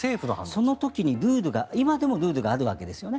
その時にルールが今でもルールがあるわけですよね。